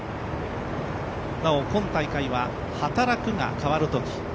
なお、今大会は働く、が変わるとき。